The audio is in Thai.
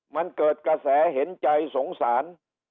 มันเกิดกระแสเห็นใจสงสาร